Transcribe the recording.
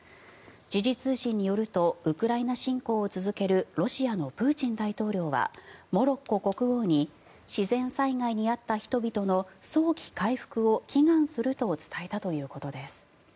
時事通信によるとウクライナ侵攻を続けるロシアのプーチン大統領はモロッコ国王に自然災害に遭った人々の早期回復を祈願すると伝えたということです。